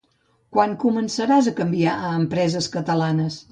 Quan començaràs a canviar a empreses catalanes?